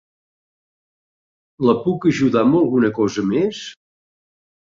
La puc ajudar amb alguna cosa més?